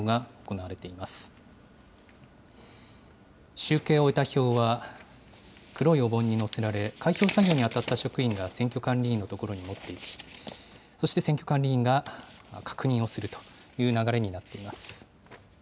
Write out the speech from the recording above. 集計を終えた票は、黒いお盆に載せられ、開票作業に当たった職員が選挙管理委員の所に持っていき、そして、選挙管理委員が確認をするという流れになっています。